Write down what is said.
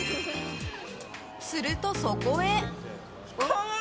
すると、そこへ。